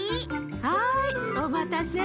はいおまたせ。